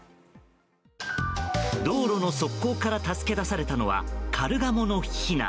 道路の側溝から助け出されたのはカルガモのひな。